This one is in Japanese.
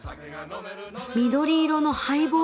緑色のハイボールに。